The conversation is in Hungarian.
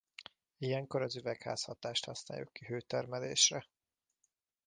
Ilyenkor az üvegházhatást használjuk ki hőtermelésre.